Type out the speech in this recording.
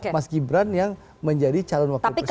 mas gibran yang menjadi calon wakil presiden